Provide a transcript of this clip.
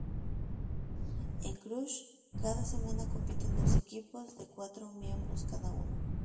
En "Crush", cada semana compiten dos equipos, de cuatro miembros cada uno.